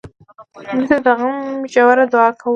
مړه ته د غم ژوره دعا کوو